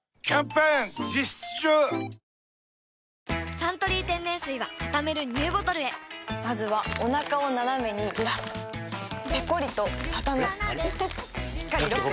「サントリー天然水」はたためるＮＥＷボトルへまずはおなかをナナメにずらすペコリ！とたたむしっかりロック！